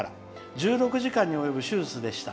１６時間に及ぶ手術でした。